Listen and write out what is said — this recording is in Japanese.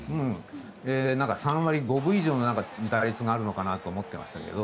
３割５分以上の打率があるのかなと思ってましたけど。